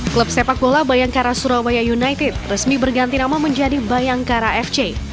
klub sepak bola bayangkara surabaya united resmi berganti nama menjadi bayangkara fc